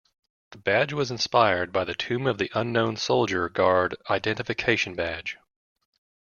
The badge was inspired by the Tomb of the Unknown Soldier Guard Identification Badge.